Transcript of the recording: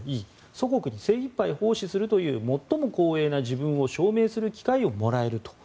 祖国に精一杯奉仕するというもっとも光栄な自分を証明する機会をもらえると。